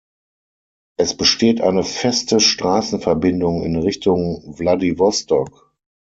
Es besteht eine feste Straßenverbindung in Richtung Wladiwostok.